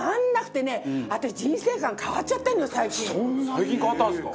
最近変わったんですか？